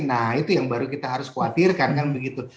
nah itu yang baru kita harus khawatirkan kan begitu